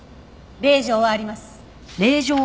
令状はあります。